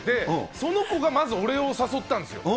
その子がまず俺を誘ったんですよ。